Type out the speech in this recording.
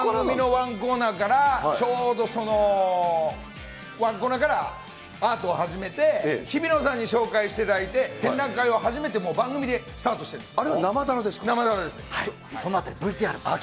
本格的にアート活動を始めるとい番組のワンコーナーから、ちょうど、そのワンコーナーからアートを始めて、ひびのさんに紹介していただいて、展覧会を初めて番組でスタートしてるんです。